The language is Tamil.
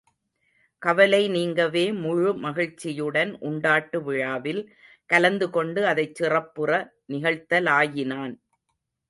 கவலை நீங்கவே முழு மகிழ்ச்சியுடன் உண்டாட்டு விழாவில் கலந்து கொண்டு அதைச் சிறப்புற நிகழ்த்தலாயினான்.